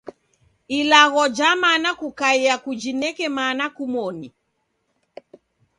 Ilagho ja mana kukaia kujineke mana kumoni.